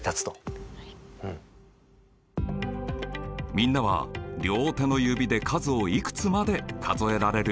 みんなは両手の指で数をいくつまで数えられる？